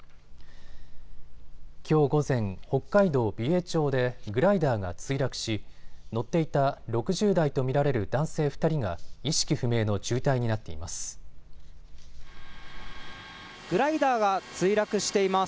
きょう午前、北海道美瑛町でグライダーが墜落し乗っていた６０代と見られる男性２人が意識不明の重体になっています。